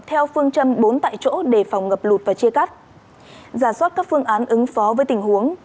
theo phương châm bốn tại chỗ đề phòng ngập lụt và chia cắt giả soát các phương án ứng phó với tình huống